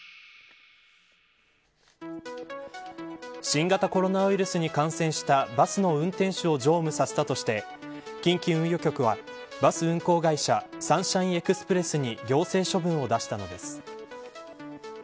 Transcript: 新型コロナウイルスに感染したバスの運転手を乗務させたとして近畿運輸局はバス運行会社サンシャインエクスプレスに行政処分を出したのです。